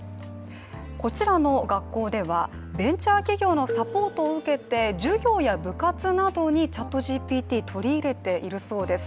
こちらの学校では、ベンチャー企業のサポートを受けて授業や部活などにＣｈａｔＧＰＴ取り入れているそうです。